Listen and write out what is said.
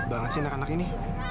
banget sih anak anak ini